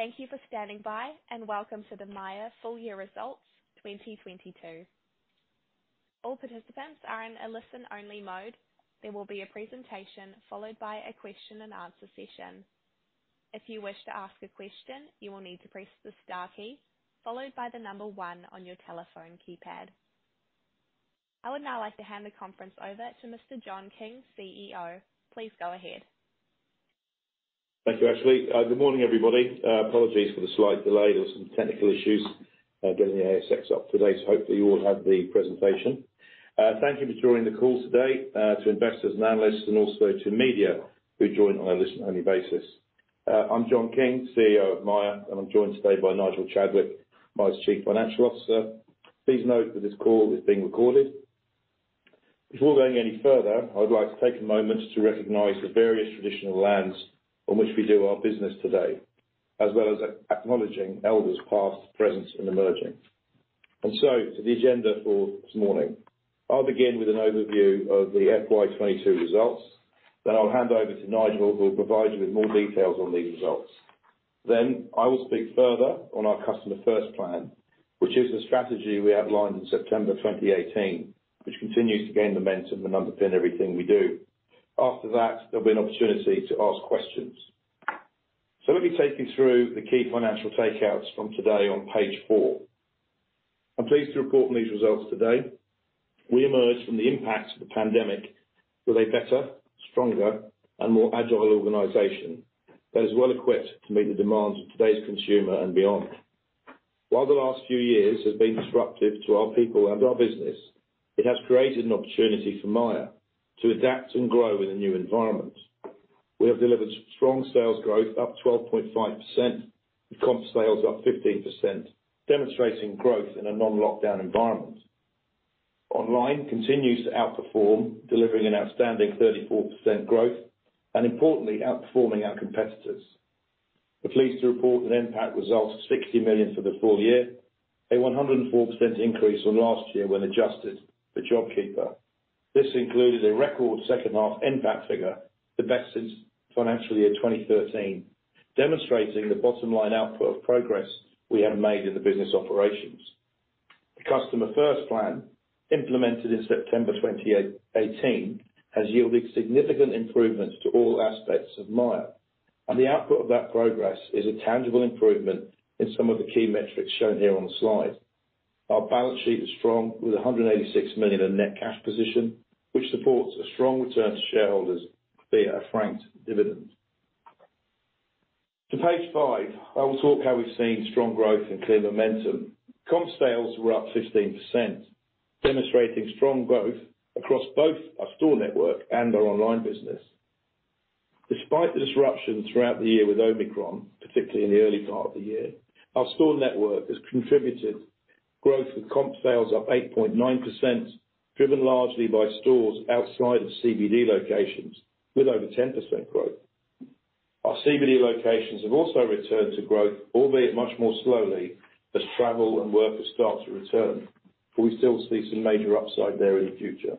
Thank you for standing by, and welcome to the Myer Full Year Results 2022. I would now like to hand the conference over to Mr. John King, CEO. Please go ahead. Thank you, Ashley. Good morning, everybody. Apologies for the slight delay, there were some technical issues getting the ASX up today, so hopefully you all have the presentation. Thank you for joining the call today to investors and analysts and also to media who joined on a listen-only basis. I'm John King, CEO of Myer, and I'm joined today by Nigel Chadwick, Myer's Chief Financial Officer. Please note that this call is being recorded. Before going any further, I would like to take a moment to recognize the various traditional lands on which we do our business today, as well as acknowledging elders, past, present, and emerging. To the agenda for this morning. I'll begin with an overview of the FY 2022 results, then I'll hand over to Nigel, who will provide you with more details on these results. I will speak further on our Customer First Plan, which is the strategy we outlined in September 2018, which continues to gain momentum and underpin everything we do. After that, there'll be an opportunity to ask questions. let me take you through the key financial takeouts from today on page four. I'm pleased to report on these results today. We emerged from the impact of the pandemic with a better, stronger, and more agile organization that is well-equipped to meet the demands of today's consumer and beyond. While the last few years have been disruptive to our people and our business, it has created an opportunity for Myer to adapt and grow in a new environment. We have delivered strong sales growth, up 12.5%, with comp sales up 15%, demonstrating growth in a non-lockdown environment. Online continues to outperform, delivering an outstanding 34% growth, and importantly, outperforming our competitors. We're pleased to report that NPAT result is 60 million for the full year, a 104% increase from last year when adjusted for JobKeeper. This included a record second-half NPAT figure, the best since financial year 2013, demonstrating the bottom line output of progress we have made in the business operations. The Customer First Plan, implemented in September 20th, 2018, has yielded significant improvements to all aspects of Myer, and the output of that progress is a tangible improvement in some of the key metrics shown here on the slide. Our balance sheet is strong, with 186 million in net cash position, which supports a strong return to shareholders via a franked dividend. To page five, I will talk about how we've seen strong growth and clear momentum. Comp sales were up 15%, demonstrating strong growth across both our store network and our online business. Despite the disruption throughout the year with Omicron, particularly in the early part of the year, our store network has contributed growth with comp sales up 8.9%, driven largely by stores outside of CBD locations with over 10% growth. Our CBD locations have also returned to growth, albeit much more slowly, as travel and workers start to return, for we still see some major upside there in the future.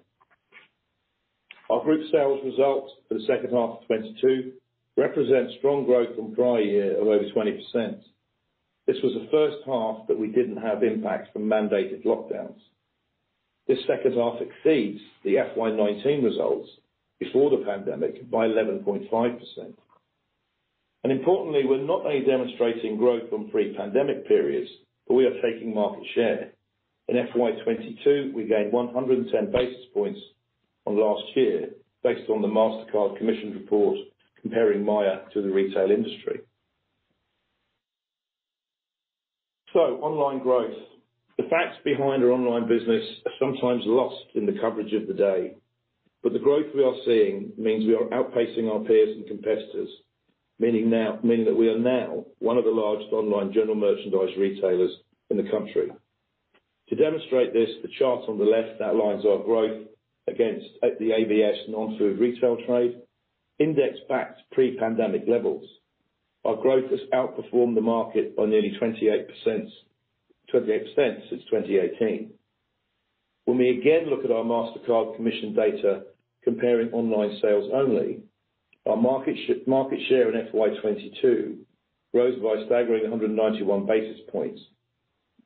Our group sales results for the second half of 2022 represent strong growth from prior year of over 20%. This was the first half that we didn't have impacts from mandated lockdowns. This second half exceeds the FY 2019 results before the pandemic by 11.5%. Importantly, we're not only demonstrating growth from pre-pandemic periods, but we are taking market share. In FY 2022, we gained 110 basis points on last year based on the Mastercard Commission report comparing Myer to the retail industry. Online growth. The facts behind our online business are sometimes lost in the coverage of the day, but the growth we are seeing means we are outpacing our peers and competitors. Meaning that we are now one of the largest online general merchandise retailers in the country. To demonstrate this, the chart on the left outlines our growth against at the ABS non-food retail trade index-backed pre-pandemic levels. Our growth has outperformed the market by nearly 28% since 2018. When we again look at our Mastercard commission data comparing online sales only, our market share in FY 2022 grows by a staggering 191 basis points,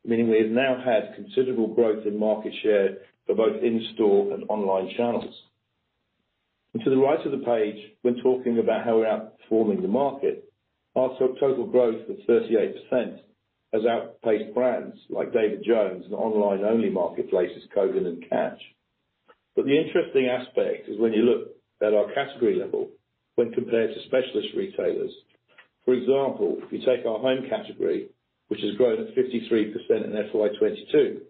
meaning we have now had considerable growth in market share for both in-store and online channels. To the right of the page, when talking about how we're outperforming the market, our total growth of 38% has outpaced brands like David Jones and online-only marketplaces, Kogan and Catch. The interesting aspect is when you look at our category level when compared to specialist retailers. For example, if you take our home category, which has grown at 53% in FY 2022,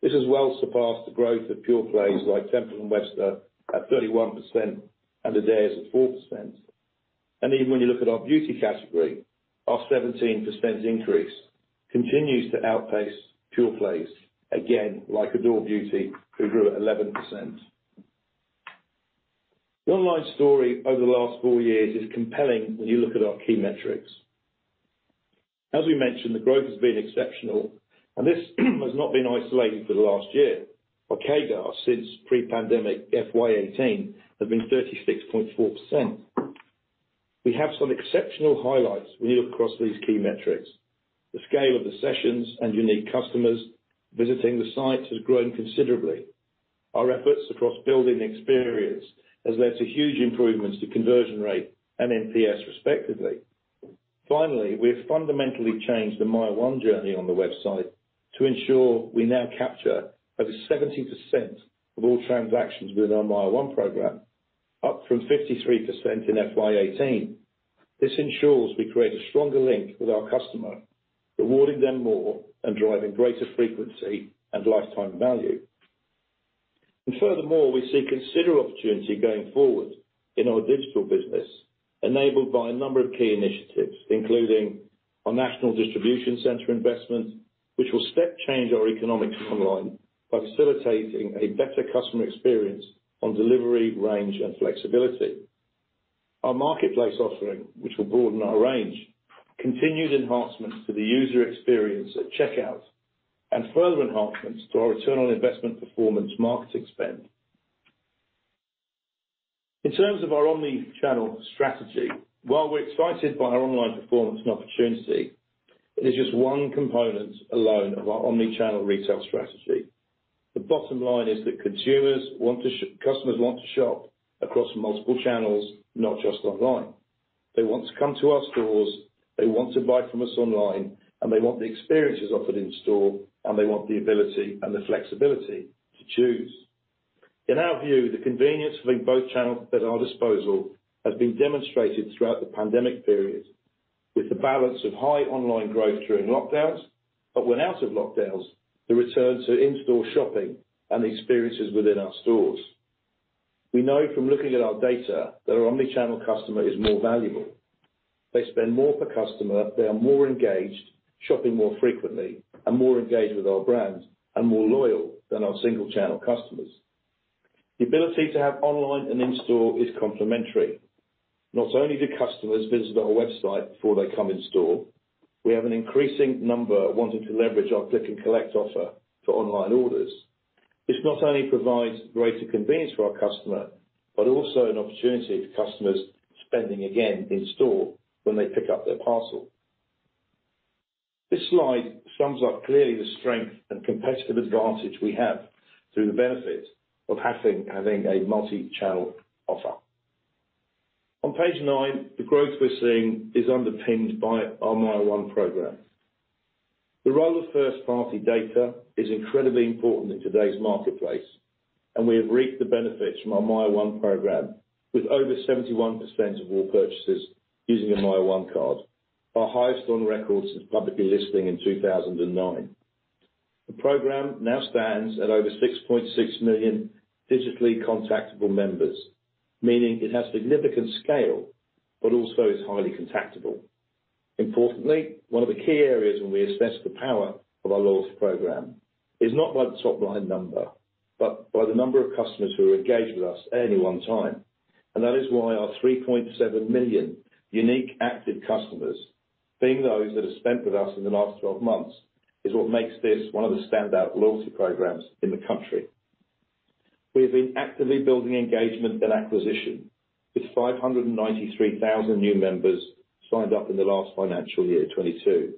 this has well surpassed the growth of pure plays like Temple & Webster at 31% and Adairs at 4%. Even when you look at our beauty category, our 17% increase continues to outpace pure plays, again, like Adore Beauty, who grew at 11%. The online story over the last four years is compelling when you look at our key metrics. As we mentioned, the growth has been exceptional and this has not been isolated for the last year. Our CAGR since pre-pandemic FY 2018 has been 36.4%. We have some exceptional highlights when you look across these key metrics. The scale of the sessions and unique customers visiting the sites has grown considerably. Our efforts across building experience has led to huge improvements to conversion rate and NPS respectively. Finally, we have fundamentally changed the MYER one journey on the website to ensure we now capture over 70% of all transactions within our MYER one program, up from 53% in FY 2018. This ensures we create a stronger link with our customer, rewarding them more and driving greater frequency and lifetime value. Furthermore, we see considerable opportunity going forward in our digital business, enabled by a number of key initiatives, including our national distribution center investment, which will step change our economics online by facilitating a better customer experience on delivery, range, and flexibility. Our marketplace offering, which will broaden our range continued enhancements to the user experience at checkout, and further enhancements to our return on investment performance marketing spend. In terms of our omni-channel strategy, while we're excited by our online performance and opportunity, it is just one component alone of our omni-channel retail strategy. The bottom line is that customers want to shop across multiple channels, not just online. They want to come to our stores, they want to buy from us online, and they want the experiences offered in store, and they want the ability and the flexibility to choose. In our view, the convenience of having both channels at our disposal has been demonstrated throughout the pandemic period with the balance of high online growth during lockdowns, but when out of lockdowns, the return to in-store shopping and the experiences within our stores. We know from looking at our data that our omni-channel customer is more valuable. They spend more per customer, they are more engaged, shopping more frequently, and more engaged with our brand, and more loyal than our single channel customers. The ability to have online and in-store is complementary. Not only do customers visit our website before they come in store, we have an increasing number wanting to leverage our click and collect offer for online orders. This not only provides greater convenience for our customer, but also an opportunity for customers spending again in store when they pick up their parcel. This slide sums up clearly the strength and competitive advantage we have through the benefit of having a multi-channel offer. On page nine, the growth we're seeing is underpinned by our MYER one program. The role of first-party data is incredibly important in today's marketplace, and we have reaped the benefits from our MYER one program with over 71% of all purchases using a MYER one card, our highest on record since publicly listing in 2009. The program now stands at over 6.6 million digitally contactable members, meaning it has significant scale, but also is highly contactable. Importantly, one of the key areas when we assess the power of our loyalty program is not by the top-line number, but by the number of customers who are engaged with us at any one time. That is why our 3.7 million unique active customers, being those that have spent with us in the last 12 months, is what makes this one of the standout loyalty programs in the country. We have been actively building engagement and acquisition, with 593,000 new members signed up in the last financial year, 2022.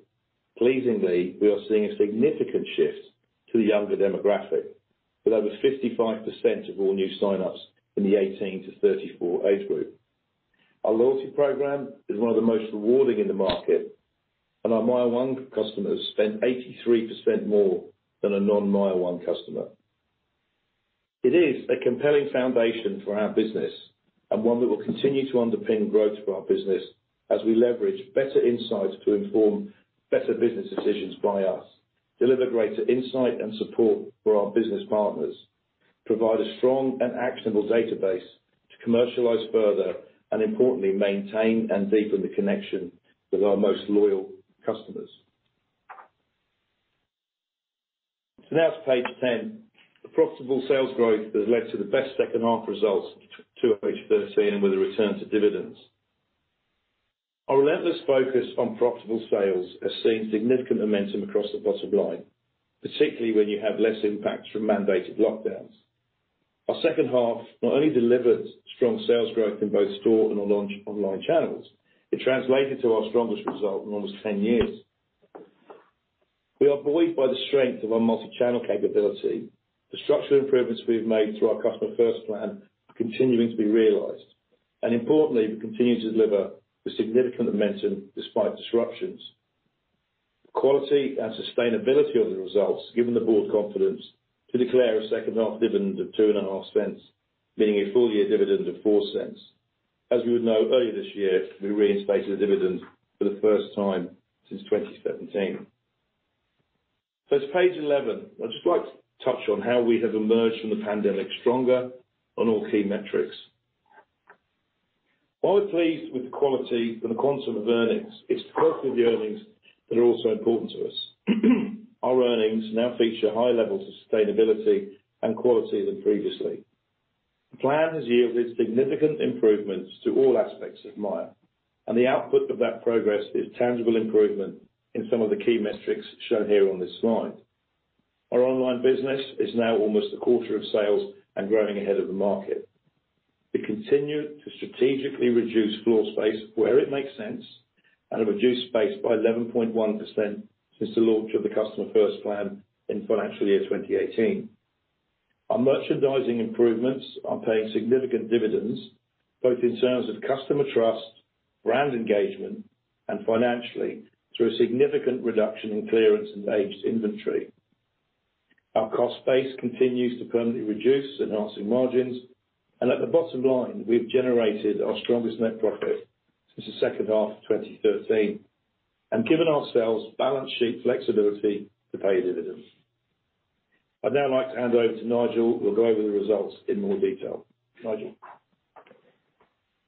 Pleasingly, we are seeing a significant shift to the younger demographic, with over 55% of all new signups in the 18-34 age group. Our loyalty program is one of the most rewarding in the market, and our MYER one customers spend 83% more than a non MYER one customer. It is a compelling foundation for our business and one that will continue to underpin growth for our business as we leverage better insights to inform better business decisions by us, deliver greater insight and support for our business partners, provide a strong and actionable database to commercialize further, and importantly, maintain and deepen the connection with our most loyal customers. Now to page 10. The profitable sales growth has led to the best second half results to page 13 with a return to dividends. Our relentless focus on profitable sales has seen significant momentum across the bottom line, particularly when you have less impacts from mandated lockdowns. Our second half not only delivered strong sales growth in both store and online channels, it translated to our strongest result in almost 10 years. We are buoyed by the strength of our multi-channel capability. The structural improvements we've made through our Customer First Plan are continuing to be realized. Importantly, we continue to deliver the significant momentum despite disruptions. The quality and sustainability of the results have given the board confidence to declare a second half dividend of 0.025, meaning a full-year dividend of 0.04. As you would know, earlier this year, we reinstated the dividend for the first time since 2017. To page 11. I'd just like to touch on how we have emerged from the pandemic stronger on all key metrics. While we're pleased with the quality and the quantum of earnings, it's the quality of the earnings that are also important to us. Our earnings now feature higher levels of sustainability and quality than previously. The plan has yielded significant improvements to all aspects of Myer, and the output of that progress is tangible improvement in some of the key metrics shown here on this slide. Our online business is now almost a quarter of sales and growing ahead of the market. We continue to strategically reduce floor space where it makes sense and have reduced space by 11.1% since the launch of the Customer First Plan in financial year 2018. Our merchandising improvements are paying significant dividends, both in terms of customer trust, brand engagement, and financially through a significant reduction in clearance in aged inventory. Our cost base continues to permanently reduce enhancing margins. At the bottom line, we've generated our strongest net profit since the second half of 2013 and given ourselves balance sheet flexibility to pay a dividend. I'd now like to hand over to Nigel, who'll go over the results in more detail. Nigel?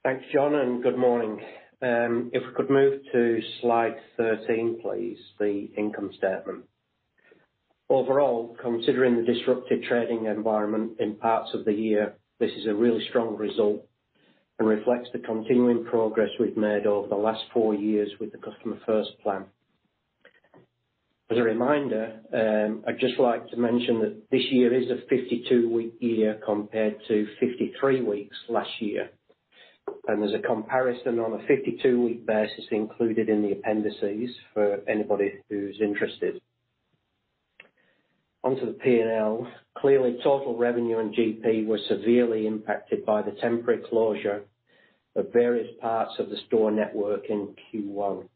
Thanks, John, and good morning. If we could move to slide 13, please, the income statement. Overall, considering the disrupted trading environment in parts of the year, this is a really strong result and reflects the continuing progress we've made over the last four years with the Customer First Plan. As a reminder, I'd just like to mention that this year is a 52-week year compared to 53 weeks last year. There's a comparison on a 52-week basis included in the appendices for anybody who's interested. Onto the P&L. Clearly, total revenue and GP were severely impacted by the temporary closure of various parts of the store network in Q1.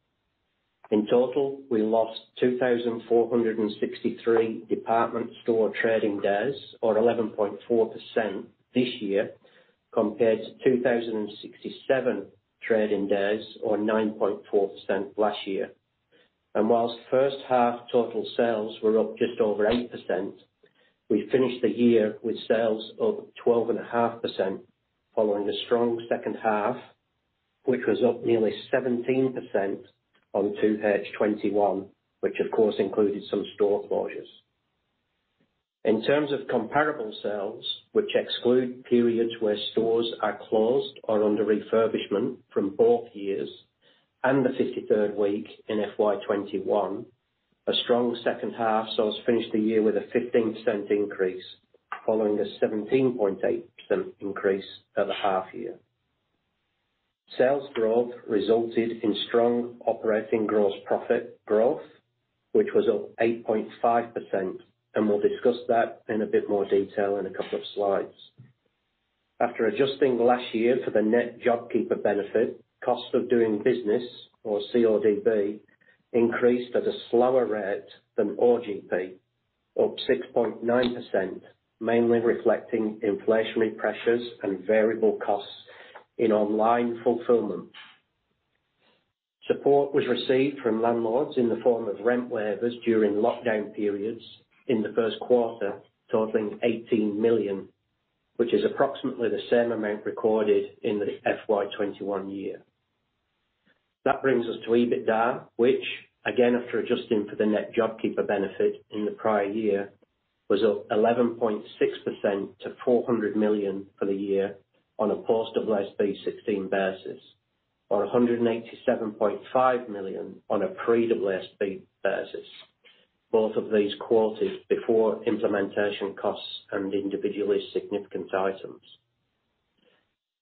In total, we lost 2,463 department store trading days, or 11.4% this year compared to 2,067 trading days or 9.4% last year. While first half total sales were up just over 8%, we finished the year with sales up 12.5% following a strong second half, which was up nearly 17% on FY21, which of course included some store closures. In terms of comparable sales, which exclude periods where stores are closed or under refurbishment from both years and the 53rd week in FY21, a strong second half, sales finished the year with a 15% increase following a 17.8% increase at the half year. Sales growth resulted in strong operating gross profit growth, which was up 8.5%, and we'll discuss that in a bit more detail in a couple of slides. After adjusting last year for the net JobKeeper benefit, cost of doing business, or CODB, increased at a slower rate than OGP up 6.9%, mainly reflecting inflationary pressures and variable costs in online fulfillment. Support was received from landlords in the form of rent waivers during lockdown periods in the first quarter, totaling 18 million, which is approximately the same amount recorded in the FY 2021 year. That brings us to EBITDA, which again, after adjusting for the net JobKeeper benefit in the prior year, was up 11.6% to 400 million for the year on a post-AASB 16 basis or 187.5 million on a pre-AASB 16 basis. Both of these qualities before implementation costs and individually significant items.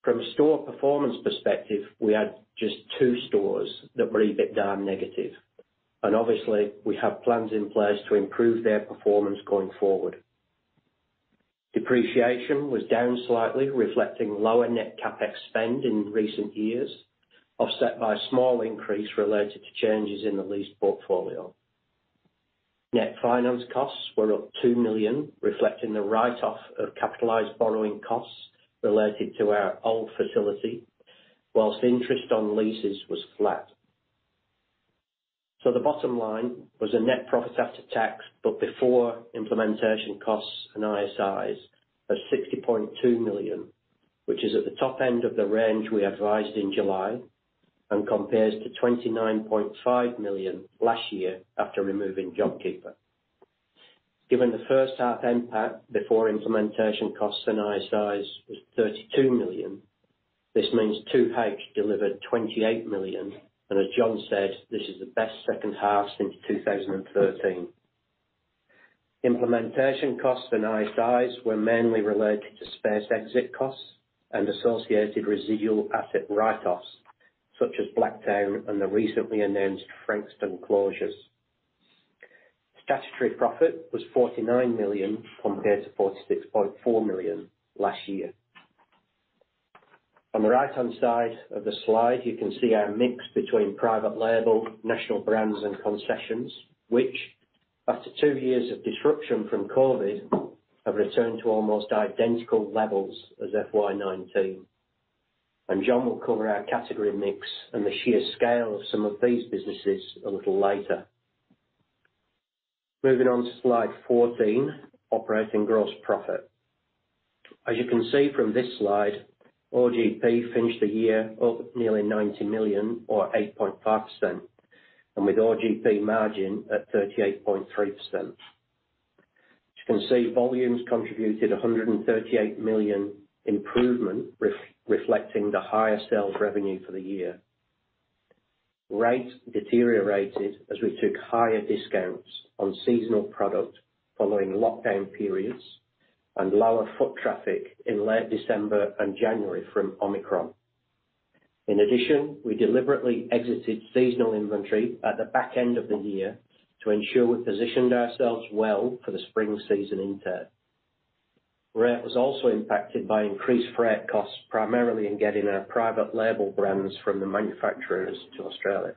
From a store performance perspective, we had just two stores that were EBITDA negative, and obviously, we have plans in place to improve their performance going forward. Depreciation was down slightly, reflecting lower net CapEx spend in recent years, offset by a small increase related to changes in the lease portfolio. Net finance costs were up 2 million, reflecting the write-off of capitalized borrowing costs related to our old facility, while interest on leases was flat. The bottom line was a net profit after tax, but before implementation costs and ISIs of 60.2 million, which is at the top end of the range we advised in July and compares to 29.5 million last year after removing JobKeeper. Given the first half impact before implementation costs and ISIs was 32 million, this means 2H delivered 28 million. As John said, this is the best second half since 2013. Implementation costs and ISIs were mainly related to space exit costs and associated residual asset write-offs, such as Blacktown and the recently announced Frankston closures. Statutory profit was 49 million compared to 46.4 million last year. On the right-hand side of the slide, you can see our mix between private label, national brands, and concessions, which after two years of disruption from COVID, have returned to almost identical levels as FY 2019. John will cover our category mix and the sheer scale of some of these businesses a little later. Moving on to slide 14, operating gross profit. As you can see from this slide, OGP finished the year up nearly 90 million or 8.5%. With OGP margin at 38.3%. As you can see, volumes contributed a 138 million improvement, reflecting the higher sales revenue for the year. Rate deteriorated as we took higher discounts on seasonal products following lockdown periods and lower foot traffic in late December and January from Omicron. In addition, we deliberately exited seasonal inventory at the back end of the year to ensure we positioned ourselves well for the spring season intake. Rent was also impacted by increased freight costs, primarily in getting our private label brands from the manufacturers to Australia.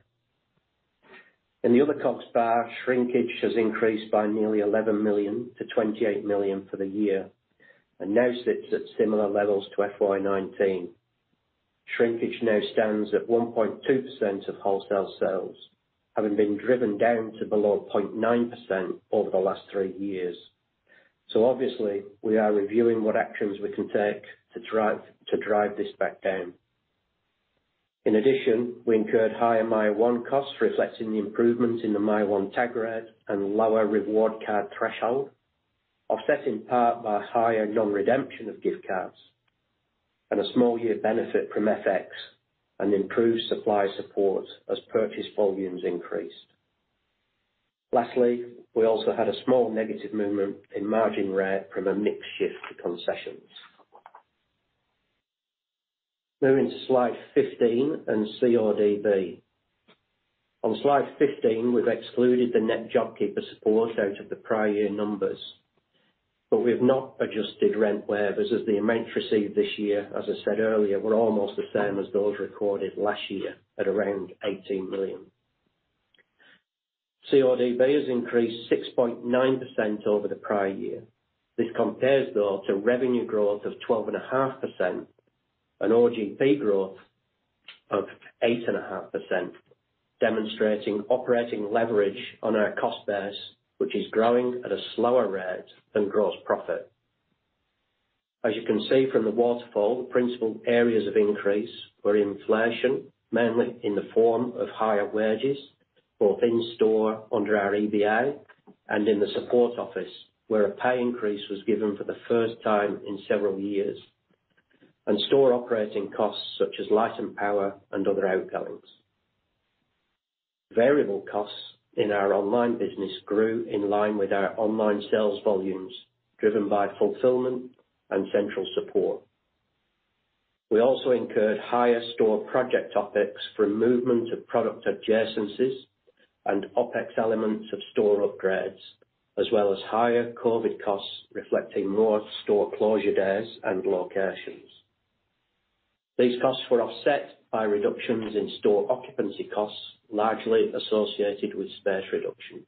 In the other costs bar, shrinkage has increased by nearly 11 million-28 million for the year, and now sits at similar levels to FY 2019. Shrinkage now stands at 1.2% of wholesale sales, having been driven down to below 0.9% over the last three years. Obviously we are reviewing what actions we can take to drive this back down. In addition, we incurred higher MYER one costs, reflecting the improvements in the MYER one tag rate and lower reward card threshold, offset in part by higher non-redemption of gift cards and a small year benefit from FX and improved supplier support as purchase volumes increased. Lastly, we also had a small negative movement in margin rate from a mix shift to concessions. Moving to slide 15 and CODB. On slide 15, we've excluded the net JobKeeper support out of the prior year numbers, but we have not adjusted rent waivers as the amount received this year, as I said earlier, were almost the same as those recorded last year at around 18 million. CODB has increased 6.9% over the prior year. This compares though to revenue growth of 12.5% and OGP growth of 8.5%, demonstrating operating leverage on our cost base, which is growing at a slower rate than gross profit. As you can see from the waterfall, principal areas of increase were inflation, mainly in the form of higher wages both in store under our EBA and in the support office, where a pay increase was given for the first time in several years. Store operating costs such as light and power and other outgoings. Variable costs in our online business grew in line with our online sales volumes, driven by fulfillment and central support. We also incurred higher store project costs from movement of product adjacencies and OpEx elements of store upgrades, as well as higher COVID costs, reflecting more store closure days and locations. These costs were offset by reductions in store occupancy costs, largely associated with space reductions.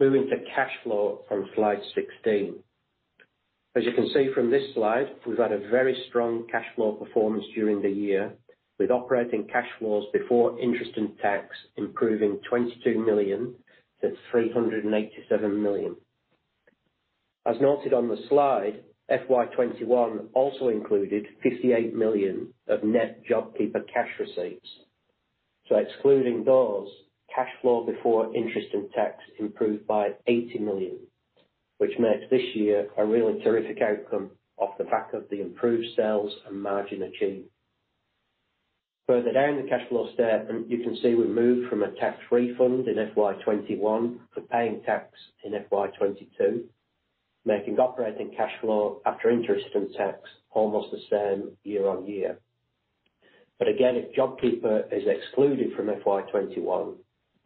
Moving to cash flow on slide 16. As you can see from this slide, we've had a very strong cash flow performance during the year, with operating cash flows before interest and tax, improving 22 million-387 million. As noted on the slide, FY 2021 also included 58 million of net JobKeeper cash receipts. Excluding those, cash flow before interest and tax improved by 80 million, which makes this year a really terrific outcome off the back of the improved sales and margin achieved. Further down the cash flow statement, you can see we moved from a tax refund in FY 2021 for paying tax in FY 2022, making operating cash flow after interest and tax almost the same year-on-year. Again, if JobKeeper is excluded from FY 2021,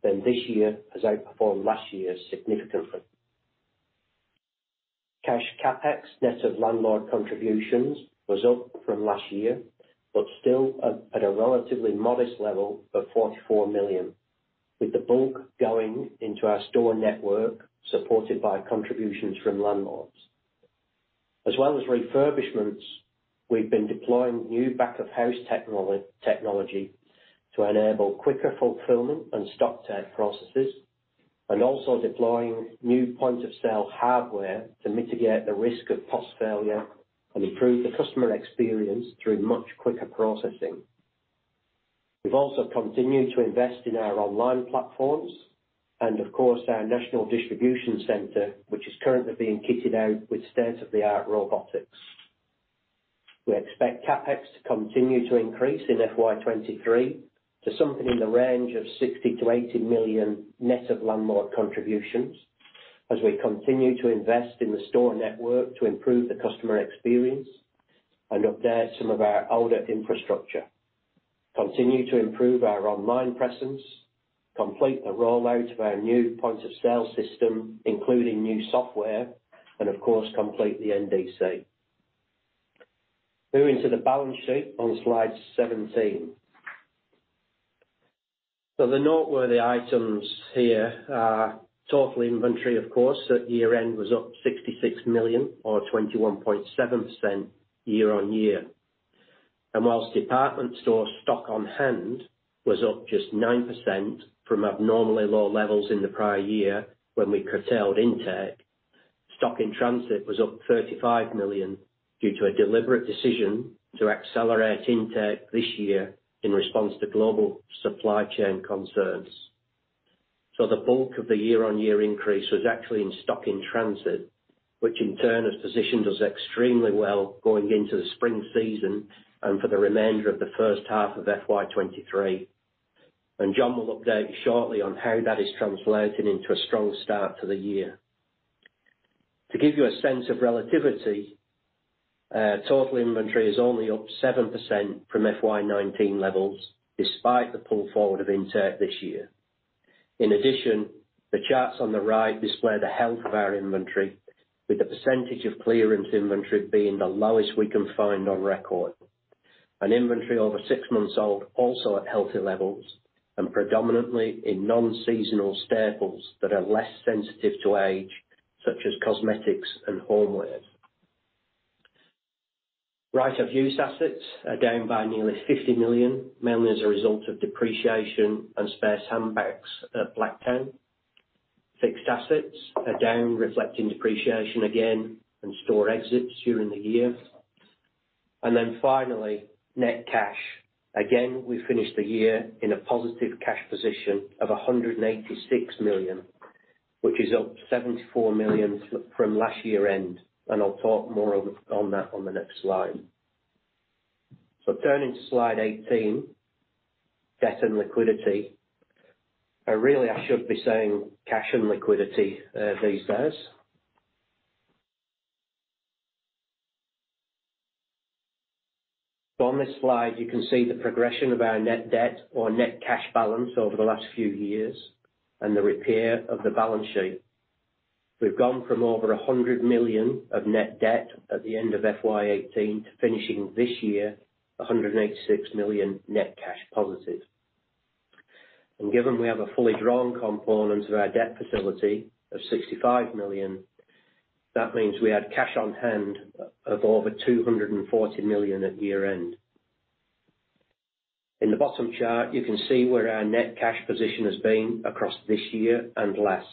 then this year has outperformed last year significantly. Cash CapEx, net of landlord contributions, was up from last year, but still at a relatively modest level of 44 million, with the bulk going into our store network supported by contributions from landlords. As well as refurbishments, we've been deploying new back of house technology to enable quicker fulfillment and stock tag processes, and also deploying new point of sale hardware to mitigate the risk of POS failure and improve the customer experience through much quicker processing. We've also continued to invest in our online platforms and of course, our national distribution center, which is currently being kitted out with state-of-the-art robotics. We expect CapEx to continue to increase in FY 2023 to something in the range of 60 million-80 million net of landlord contributions as we continue to invest in the store network to improve the customer experience and update some of our older infrastructure, continue to improve our online presence, complete the rollout of our new point of sale system, including new software, and of course, complete the NDC. Moving to the balance sheet on slide 17. The noteworthy items here are total inventory, of course, at year-end was up 66 million or 21.7% year-on-year. While department store stock on hand was up just 9% from abnormally low levels in the prior year when we curtailed intake. Stock in transit was up 35 million due to a deliberate decision to accelerate intake this year in response to global supply chain concerns. The bulk of the year-on-year increase was actually in stock in transit, which in turn has positioned us extremely well going into the spring season and for the remainder of the first half of FY 2023. John will update you shortly on how that is translating into a strong start to the year. To give you a sense of relativity, total inventory is only up 7% from FY 2019 levels despite the pull forward of intake this year. In addition, the charts on the right display the health of our inventory, with the percentage of clearance inventory being the lowest we can find on record. Inventory over six months old also at healthy levels and predominantly in non-seasonal staples that are less sensitive to age, such as cosmetics and homewares. Right-of-use assets are down by nearly 50 million, mainly as a result of depreciation and space handbacks at Blacktown. Fixed assets are down, reflecting depreciation again and store exits during the year. Finally, net cash. Again, we finished the year in a positive cash position of 186 million, which is up 74 million from last year-end, and I'll talk more on that on the next slide. Turning to slide 18, debt and liquidity. Really, I should be saying cash and liquidity, these days. On this slide, you can see the progression of our net debt or net cash balance over the last few years and the repair of the balance sheet. We've gone from over 100 million of net debt at the end of FY 2018 to finishing this year 186 million net cash positive. Given we have a fully drawn component of our debt facility of 65 million, that means we had cash on hand of over 240 million at year-end. In the bottom chart, you can see where our net cash position has been across this year and last.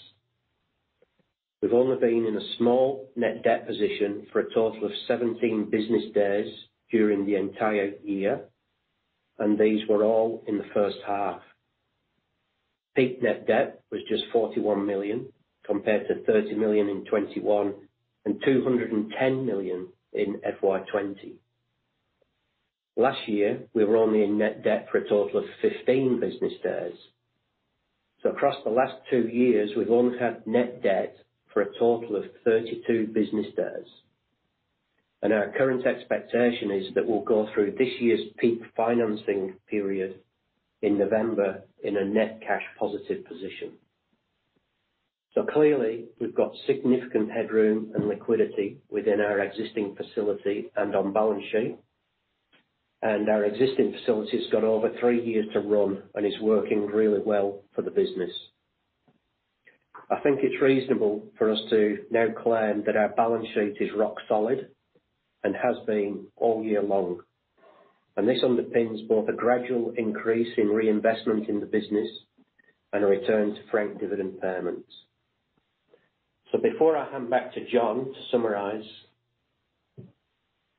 We've only been in a small net debt position for a total of 17 business days during the entire year, and these were all in the first half. Peak net debt was just 41 million compared to 30 million in 2021 and 210 million in FY 2020. Last year, we were only in net debt for a total of 15 business days. Across the last two years, we've only had net debt for a total of 32 business days. Our current expectation is that we'll go through this year's peak financing period in November in a net cash positive position. Clearly, we've got significant headroom and liquidity within our existing facility and on balance sheet. Our existing facility's got over three years to run and is working really well for the business. I think it's reasonable for us to now claim that our balance sheet is rock solid and has been all year long. This underpins both a gradual increase in reinvestment in the business and a return to franked dividend payments. Before I hand back to John to summarize,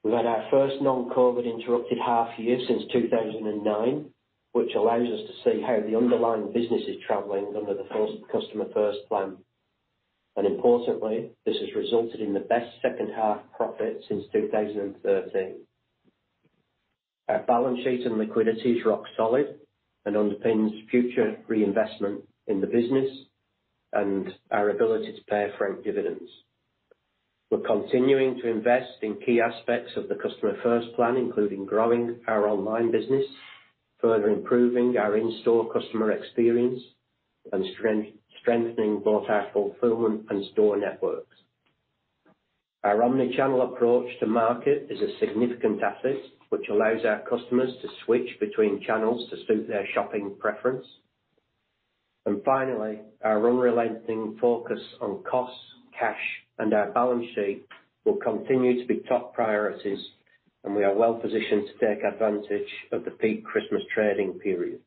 we've had our first non-COVID-interrupted half year since 2009, which allows us to see how the underlying business is traveling under the Customer First Plan. Importantly, this has resulted in the best second half profit since 2013. Our balance sheet and liquidity is rock solid and underpins future reinvestment in the business and our ability to pay franked dividends. We're continuing to invest in key aspects of the Customer First Plan, including growing our online business, further improving our in-store customer experience, and strengthening both our fulfillment and store networks. Our omnichannel approach to market is a significant asset, which allows our customers to switch between channels to suit their shopping preference. Finally, our unrelenting focus on costs, cash, and our balance sheet will continue to be top priorities, and we are well positioned to take advantage of the peak Christmas trading period.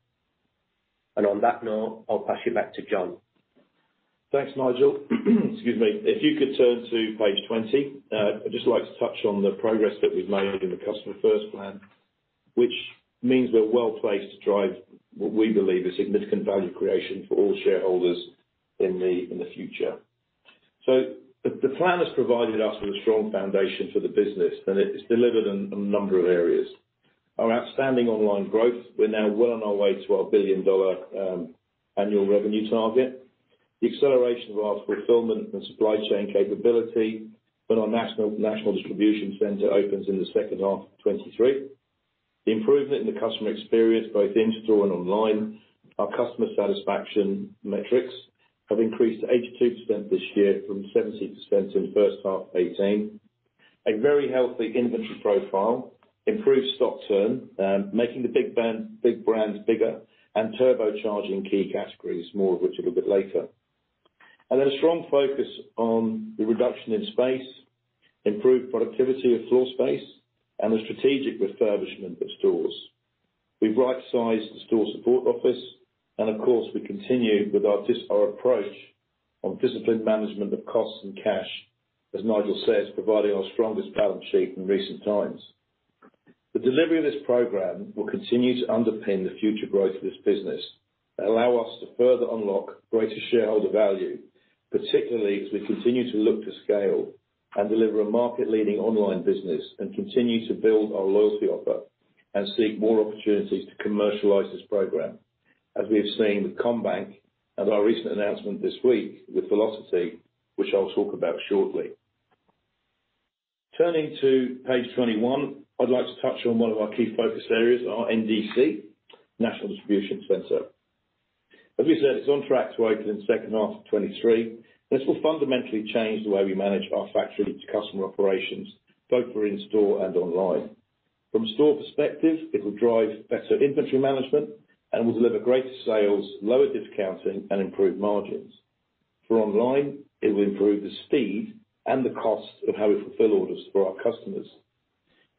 On that note, I'll pass you back to John. Thanks, Nigel. Excuse me. If you could turn to page 20, I'd just like to touch on the progress that we've made in the Customer First Plan, which means we're well placed to drive what we believe is significant value creation for all shareholders in the future. The plan has provided us with a strong foundation for the business and it's delivered in a number of areas. Our outstanding online growth, we're now well on our way to our 1 billion dollar annual revenue target. The acceleration of our fulfillment and supply chain capability when our national distribution center opens in the second half of 2023. The improvement in the customer experience, both in store and online. Our customer satisfaction metrics have increased to 82% this year from 70% in the first half of 2018. A very healthy inventory profile, improved stock turn, making the big brands bigger and turbocharging key categories, more of which a little bit later. A strong focus on the reduction in space, improved productivity of floor space, and the strategic refurbishment of stores. We've right-sized the store support office, and of course, we continue with our disciplined approach to management of costs and cash, as Nigel says, providing our strongest balance sheet in recent times. The delivery of this program will continue to underpin the future growth of this business and allow us to further unlock greater shareholder value, particularly as we continue to look to scale and deliver a market-leading online business and continue to build our loyalty offer and seek more opportunities to commercialize this program, as we have seen with CommBank and our recent announcement this week with Velocity, which I'll talk about shortly. Turning to page 21, I'd like to touch on one of our key focus areas, our NDC, National Distribution Center. As we said, it's on track to open in the second half of 2023. This will fundamentally change the way we manage our factory to customer operations, both for in-store and online. From a store perspective, it will drive better inventory management and will deliver greater sales, lower discounting, and improved margins. For online, it will improve the speed and the cost of how we fulfill orders for our customers.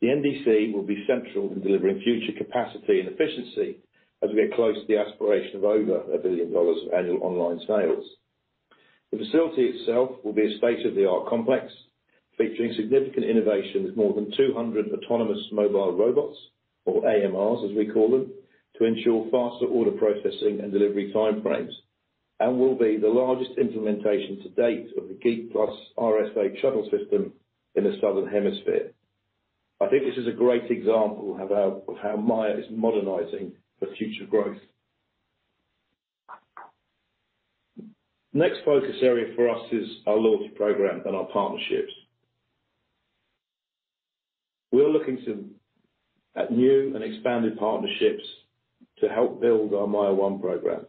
The NDC will be central in delivering future capacity and efficiency as we get close to the aspiration of over 1 billion dollars of annual online sales. The facility itself will be a state-of-the-art complex featuring significant innovation with more than 200 autonomous mobile robots, or AMRs, as we call them, to ensure faster order processing and delivery time frames, and will be the largest implementation to date of the Geek+ RS8 shuttle system in the Southern Hemisphere. I think this is a great example of how Myer is modernizing for future growth. Next focus area for us is our loyalty program and our partnerships. We are looking at new and expanded partnerships to help build our Myer One program.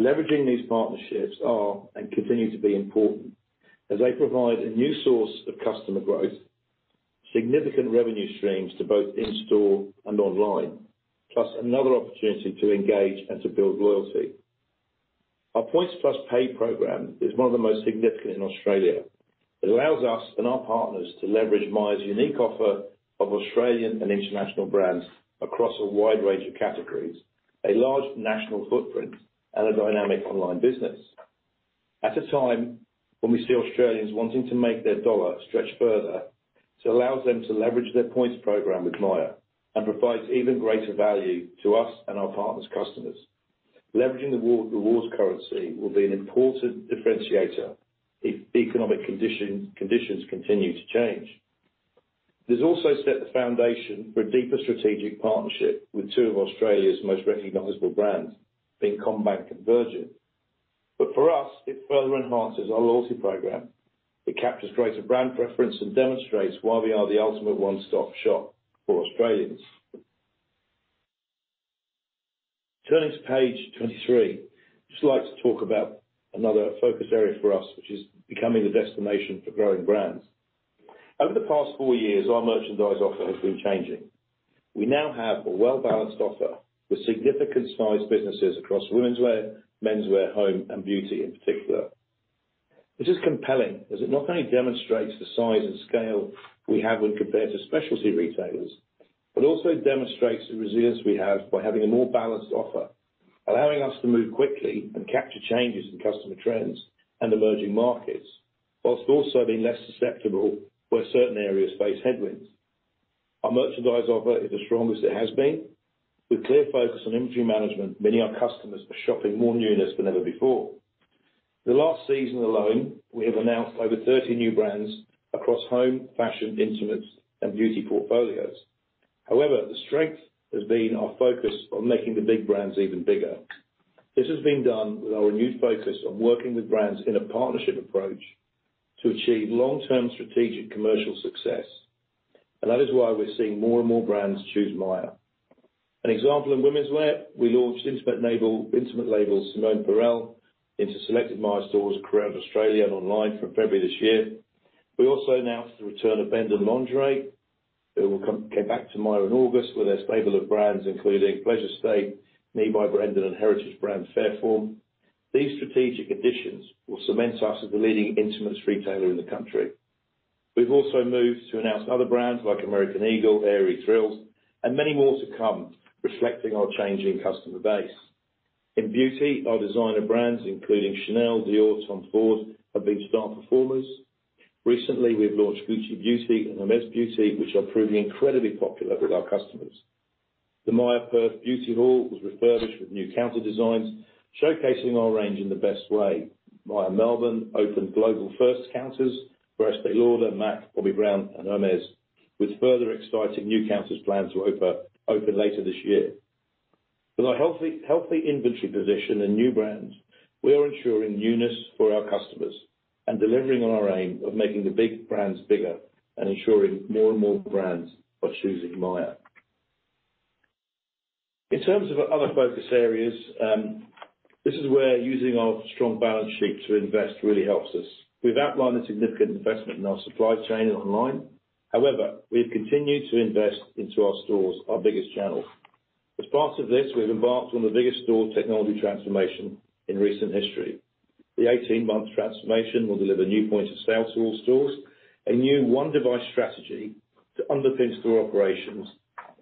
Leveraging these partnerships are and continue to be important as they provide a new source of customer growth, significant revenue streams to both in-store and online, plus another opportunity to engage and to build loyalty. Our Points Plus Pay program is one of the most significant in Australia. It allows us and our partners to leverage Myer's unique offer of Australian and international brands across a wide range of categories, a large national footprint, and a dynamic online business. At a time when we see Australians wanting to make their dollar stretch further, this allows them to leverage their points program with Myer and provides even greater value to us and our partners' customers. Leveraging the rewards currency will be an important differentiator if economic conditions continue to change. This also set the foundation for a deeper strategic partnership with two of Australia's most recognizable brands, being CommBank and Virgin. For us, it further enhances our loyalty program. It captures greater brand preference and demonstrates why we are the ultimate one-stop shop for Australians. Turning to page 23, just like to talk about another focus area for us, which is becoming the destination for growing brands. Over the past four years, our merchandise offer has been changing. We now have a well-balanced offer with significant sized businesses across womenswear, menswear, home, and beauty in particular. This is compelling as it not only demonstrates the size and scale we have when compared to specialty retailers, but also demonstrates the resilience we have by having a more balanced offer, allowing us to move quickly and capture changes in customer trends and emerging markets, while also being less susceptible where certain areas face headwinds. Our merchandise offer is the strongest it has been. With clear focus on inventory management, many of our customers are shopping more newness than ever before. The last season alone, we have announced over 30 new brands across home, fashion, intimates, and beauty portfolios. However, the strength has been our focus on making the big brands even bigger. This has been done with our renewed focus on working with brands in a partnership approach to achieve long-term strategic commercial success, and that is why we're seeing more and more brands choose Myer. An example in womenswear, we launched intimates label Simone Pérèle into selected Myer stores across Australia and online from February this year. We also announced the return of Bendon Lingerie, who came back to Myer in August with their stable of brands, including Pleasure State, Me by Bendon, and heritage brand, Fayreform. These strategic additions will cement us as the leading intimates retailer in the country. We've also moved to announce other brands like American Eagle, Aerie, Thrills, and many more to come, reflecting our changing customer base. In beauty, our designer brands, including Chanel, Dior, Tom Ford, have been star performers. Recently, we've launched Gucci Beauty and Hermès Beauty, which are proving incredibly popular with our customers. The Myer Perth Beauty Hall was refurbished with new counter designs, showcasing our range in the best way. Myer Melbourne opened global first counters for Estée Lauder, M·A·C, Bobbi Brown, and Hermès, with further exciting new counters plans to open later this year. With a healthy inventory position and new brands, we are ensuring newness for our customers and delivering on our aim of making the big brands bigger and ensuring more and more brands are choosing Myer. In terms of our other focus areas, this is where using our strong balance sheet to invest really helps us. We've outlined a significant investment in our supply chain and online. However, we've continued to invest into our stores, our biggest channel. As part of this, we've embarked on the biggest store technology transformation in recent history. The 18-month transformation will deliver new points of sale to all stores, a new one device strategy to underpin store operations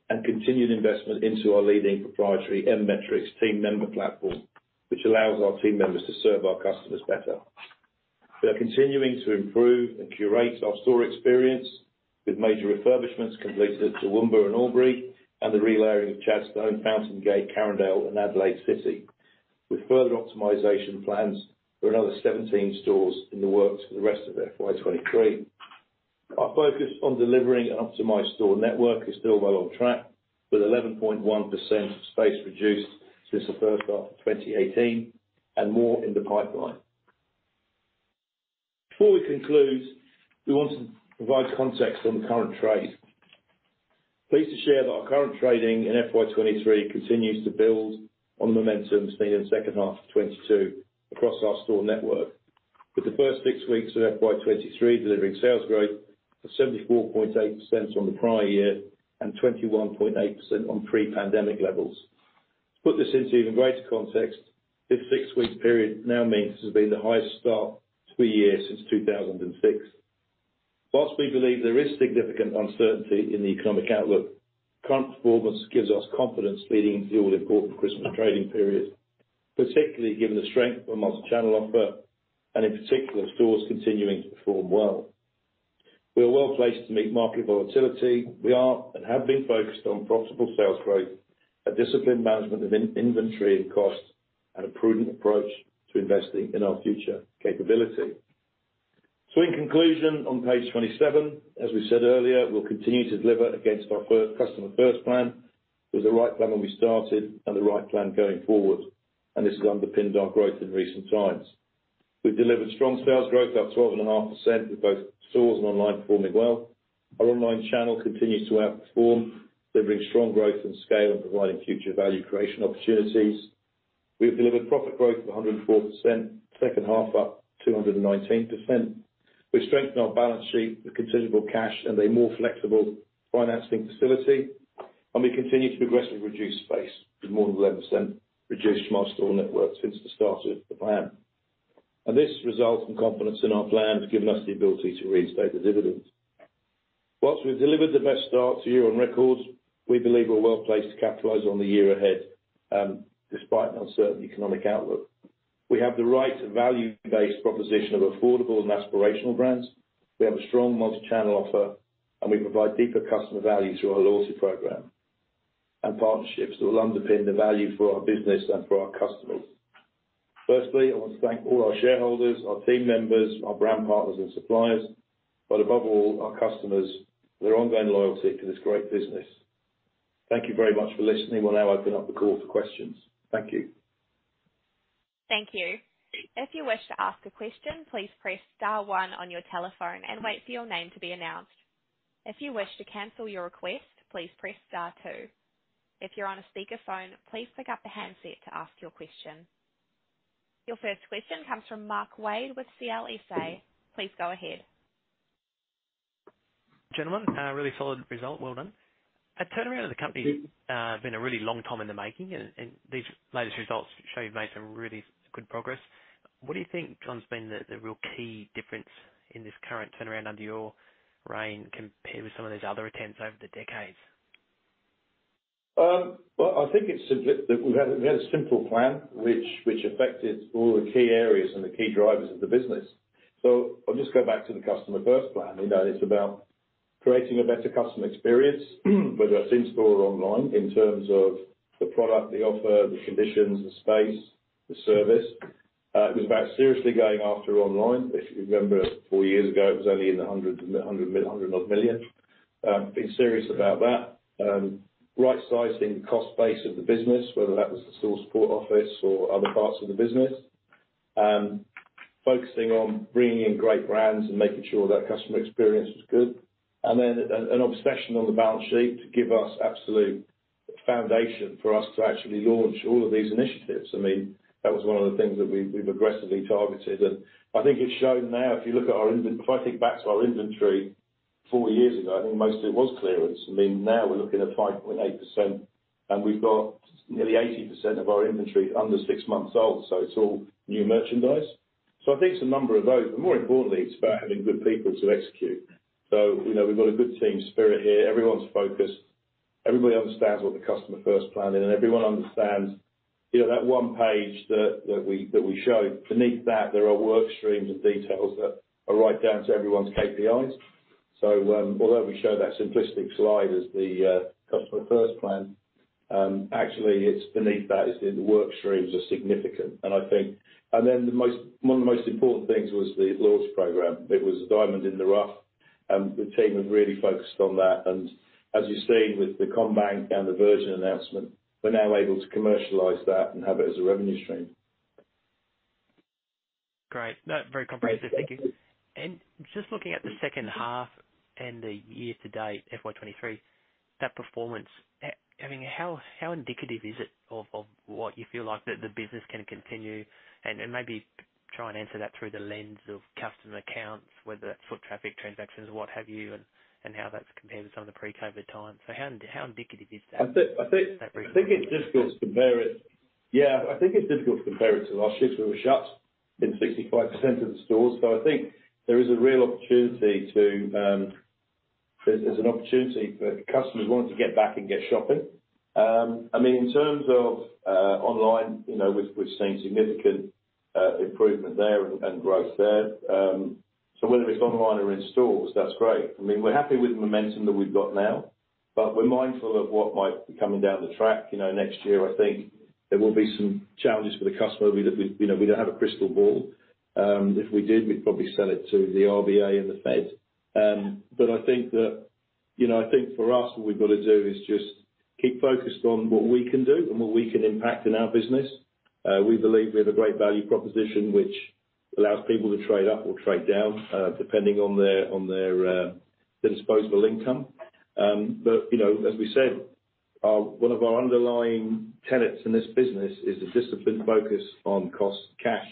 and continued investment into our leading proprietary M-Metrics team member platform, which allows our team members to serve our customers better. We are continuing to improve and curate our store experience with major refurbishments completed at Toowoomba and Albury, and the relaying of Chadstone, Fountain Gate, Carindale and Adelaide City, with further optimization plans for another 17 stores in the works for the rest of FY 2023. Our focus on delivering an optimized store network is still well on track with 11.1% of space reduced since the first half of 2018 and more in the pipeline. Before we conclude, we want to provide context on the current trade. Pleased to share that our current trading in FY 2023 continues to build on the momentum seen in the second half of 2022 across our store network. With the first six weeks of FY 2023 delivering sales growth of 74.8% on the prior year and 21.8% on pre-pandemic levels. To put this into even greater context, this six-week period now means this has been the highest start to a year since 2006. While we believe there is significant uncertainty in the economic outlook, current performance gives us confidence leading into the all-important Christmas trading period, particularly given the strength of our multi-channel offer and in particular stores continuing to perform well. We are well placed to meet market volatility. We are and have been focused on profitable sales growth, a disciplined management of in-inventory and cost, and a prudent approach to investing in our future capability. In conclusion, on page 27, as we said earlier, we'll continue to deliver against our Customer First Plan. It was the right plan when we started and the right plan going forward, and it's underpinned our growth in recent times. We've delivered strong sales growth, up 12.5%, with both stores and online performing well. Our online channel continues to outperform, delivering strong growth and scale and providing future value creation opportunities. We have delivered profit growth of 104%, second half up 219%. We strengthened our balance sheet with considerable cash and a more flexible financing facility, and we continue to aggressively reduce space with more than 11% reduced from our store network since the start of the plan. This result and confidence in our plan has given us the ability to reinstate the dividends. While we've delivered the best start to a year on record, we believe we're well placed to capitalize on the year ahead, despite an uncertain economic outlook. We have the right value-based proposition of affordable and aspirational brands. We have a strong multi-channel offer, and we provide deeper customer value through our loyalty program and partnerships that will underpin the value for our business and for our customers. Firstly, I want to thank all our shareholders, our team members, our brand partners and suppliers, but above all, our customers for their ongoing loyalty to this great business. Thank you very much for listening. We'll now open up the call for questions. Thank you. Thank you. Your first question comes from Mark Wade with CLSA. Please go ahead. Gentlemen, really solid result. Well done. A turnaround of the company been a really long time in the making, and these latest results show you've made some really good progress. What do you think, John, has been the real key difference in this current turnaround under your reign compared with some of these other attempts over the decades? Well, I think it's simple that we've had a simple plan which affected all the key areas and the key drivers of the business. I'll just go back to the Customer First Plan. You know, it's about creating a better customer experience, whether that's in-store or online, in terms of the product, the offer, the conditions, the space, the service. It was about seriously going after online. If you remember four years ago, it was only in the 100 odd million. Being serious about that. Right sizing the cost base of the business, whether that was the store support office or other parts of the business, focusing on bringing in great brands and making sure that customer experience was good. An obsession on the balance sheet to give us absolute foundation for us to actually launch all of these initiatives. I mean, that was one of the things that we've aggressively targeted, and I think it's shown now if you look at our inventory. If I think back to our inventory four years ago, I think most of it was clearance. I mean, now we're looking at 5.8%, and we've got nearly 80% of our inventory under six months old, so it's all new merchandise. I think it's a number of those, but more importantly, it's about having good people to execute. You know, we've got a good team spirit here. Everyone's focused, everybody understands what the Customer First Plan is, and everyone understands, you know, that one page that we show, beneath that there are work streams and details that are right down to everyone's KPIs. Although we show that simplistic slide as the Customer First Plan, actually it's beneath that is in the work streams are significant. One of the most important things was the loyalty program. It was a diamond in the rough, and the team has really focused on that. As you're seeing with the CommBank and the Virgin announcement, we're now able to commercialize that and have it as a revenue stream. Great. No, very comprehensive. Thank you. Just looking at the second half and the year to date, FY 2023, that performance, I mean, how indicative is it of what you feel like the business can continue and maybe try and answer that through the lens of customer counts, whether that's foot traffic, transactions or what have you, and how that's compared to some of the pre-COVID times. How indicative is that? I think it's difficult to compare it to last year because we were shut in 65% of the stores. I think there is a real opportunity. There's an opportunity for customers wanting to get back and get shopping. I mean, in terms of online, you know, we've seen significant improvement there and growth there. Whether it's online or in stores, that's great. I mean, we're happy with the momentum that we've got now, but we're mindful of what might be coming down the track, you know, next year. I think there will be some challenges for the customer. We know that we don't have a crystal ball. If we did, we'd probably sell it to the RBA and the Fed. I think that, you know, I think for us, what we've got to do is just keep focused on what we can do and what we can impact in our business. We believe we have a great value proposition which allows people to trade up or trade down, depending on their disposable income. You know, as we said, one of our underlying tenets in this business is a disciplined focus on costs and cash,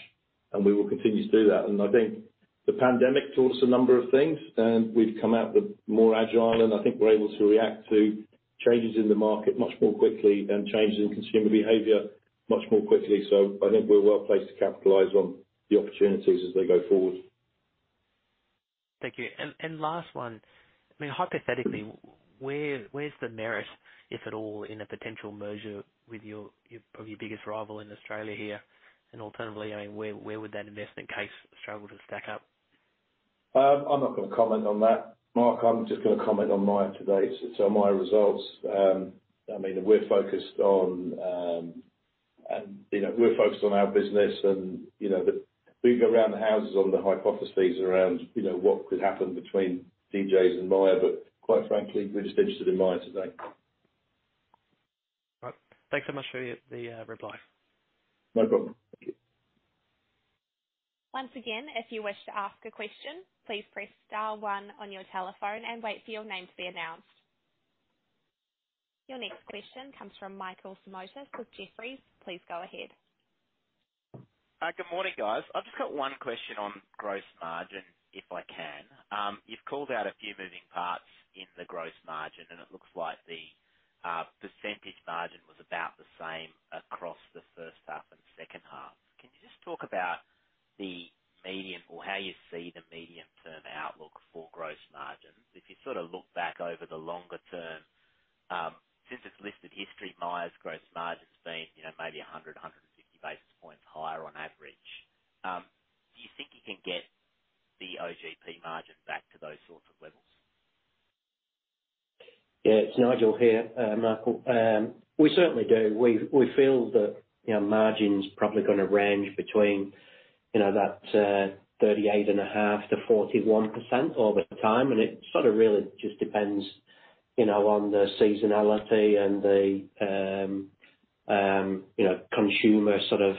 and we will continue to do that. I think the pandemic taught us a number of things, and we've come out with more agile, and I think we're able to react to changes in the market much more quickly and changes in consumer behavior much more quickly. I think we're well-placed to capitalize on the opportunities as they go forward. Thank you. Last one. I mean, hypothetically, where's the merit, if at all, in a potential merger with your probably biggest rival in Australia here? Alternatively, I mean, where would that investment case struggle to stack up? I'm not gonna comment on that, Mark. I'm just gonna comment on Myer today. Myer results, I mean, we're focused on, you know, we're focused on our business and, you know. We could go round the houses on the hypotheses around, you know, what could happen between DJs and Myer, but quite frankly, we're just interested in Myer today. All right. Thanks so much for the reply. No problem. Thank you. Your next question comes from Michael Simotas with Jefferies. Please go ahead. Good morning, guys. I've just got one question on gross margin, if I can. You've called out a few moving parts in the gross margin, and it looks like the percentage margin was about the same across the first half and second half. Can you just talk about the medium or how you see the medium-term outlook for gross margins? If you sort of look back over the longer term, since its listed history, Myer's gross margin's been, you know, maybe 150 basis points higher on average. Do you think you can get the OGP margin back to those sorts of levels? Yeah, it's Nigel here, Michael. We certainly do. We feel that, you know, margin's probably gonna range between, you know, that 38.5%-41% over time, and it sort of really just depends, you know, on the seasonality and the, you know, consumer sort of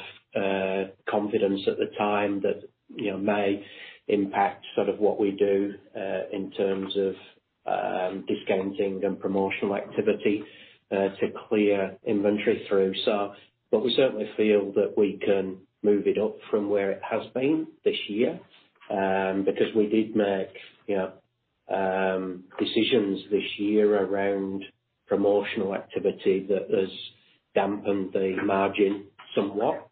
confidence at the time that, you know, may impact sort of what we do in terms of discounting and promotional activity to clear inventory through. We certainly feel that we can move it up from where it has been this year, because we did make, you know, decisions this year around promotional activity that has dampened the margin somewhat.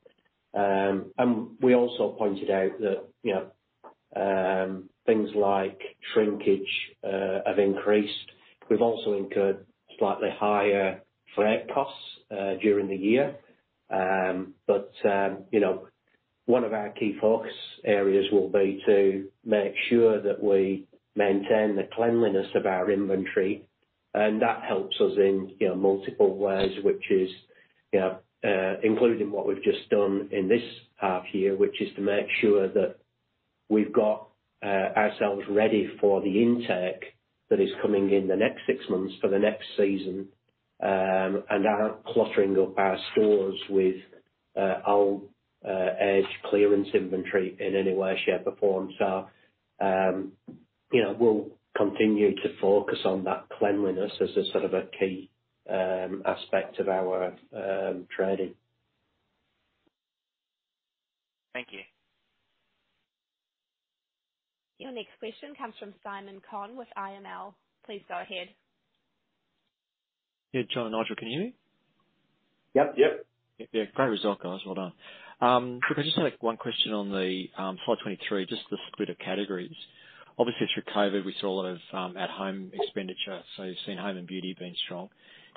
We also pointed out that, you know, things like shrinkage have increased. We've also incurred slightly higher freight costs during the year. You know, one of our key focus areas will be to make sure that we maintain the cleanliness of our inventory, and that helps us in, you know, multiple ways, which is, you know, including what we've just done in this half year, which is to make sure that we've got ourselves ready for the intake that is coming in the next six months for the next season, and aren't cluttering up our stores with old edge clearance inventory in any way, shape, or form. You know, we'll continue to focus on that cleanliness as a sort of a key aspect of our trading. Thank you. Your next question comes from Simon Conn with IML. Please go ahead. Yeah, John and Nigel, can you hear me? Yep. Yep. Yeah. Great result, guys. Well done. Look, I just have, like, one question on the slide 23, just the split of categories. Obviously through COVID, we saw a lot of at home expenditure, so you've seen health and beauty being strong.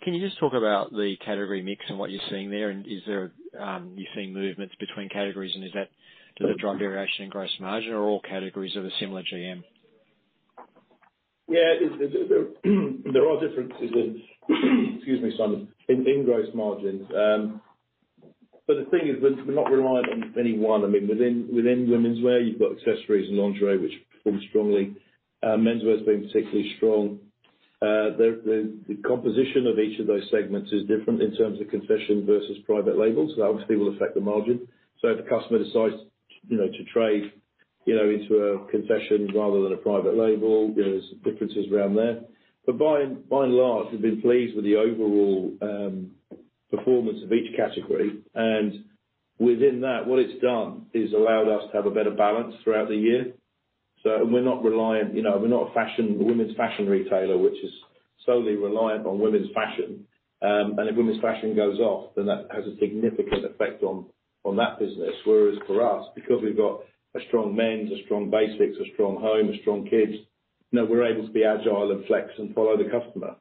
Can you just talk about the category mix and what you're seeing there? And are you seeing movements between categories and is that the driver of variation in gross margin or all categories have a similar GM? Yeah. There are differences, excuse me, Simon, in gross margins. But the thing is we're not reliant on any one. I mean, within womenswear, you've got accessories and lingerie, which perform strongly. Menswear's been particularly strong. The composition of each of those segments is different in terms of concession versus private label, so that obviously will affect the margin. So if the customer decides, you know, to trade, you know, into a concession rather than a private label, there's differences around there. But by and large, we've been pleased with the overall performance of each category. Within that, what it's done is allowed us to have a better balance throughout the year. We're not reliant, you know, we're not a fashion, women's fashion retailer, which is solely reliant on women's fashion. If women's fashion goes off, then that has a significant effect on that business. Whereas for us, because we've got a strong men's, a strong basics, a strong home, a strong kids, you know, we're able to be agile and flex and follow the customer.